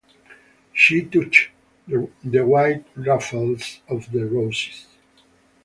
She touched the white ruffles of the roses.